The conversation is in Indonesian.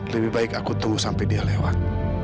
lebih baik aku tunggu sampai dia lewat